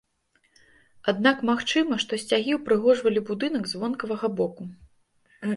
Аднак магчыма, што сцягі ўпрыгожвалі будынак з вонкавага боку.